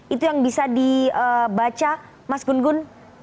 itu yang bisa dibaca mas gun gun